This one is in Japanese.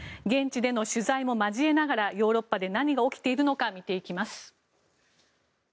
現地での取材も交えながらヨーロッパで何が起きているのか見ていきます。